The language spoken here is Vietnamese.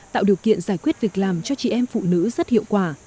tạo điều kiện giải quyết việc làm cho chị em phụ nữ rất hiệu quả